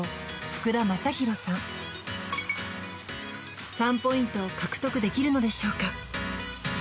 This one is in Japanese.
福田正博さん３ポイントを獲得できるのでしょうか